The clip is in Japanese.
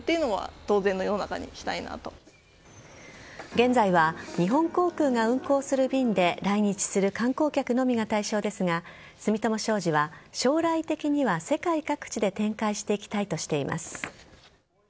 現在は日本航空が運航する便で来日する観光客のみが対象ですが住友商事は将来的には世界各地で展開していきたいとしています。